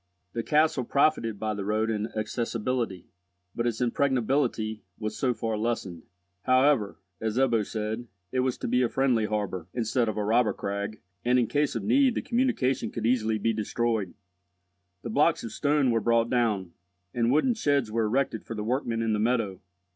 The castle profited by the road in accessibility, but its impregnability was so far lessened. However, as Ebbo said, it was to be a friendly harbour, instead of a robber crag, and in case of need the communication could easily be destroyed. The blocks of stone were brought down, and wooden sheds were erected for the workmen in the meadow.